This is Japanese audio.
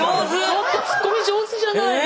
ちょっとツッコミ上手じゃないの。